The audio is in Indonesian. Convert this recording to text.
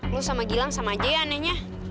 lu sama gilang sama aja ya anehnya